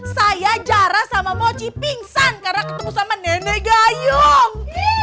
saya jarang sama mochi pingsan karena ketemu sama nenek gayung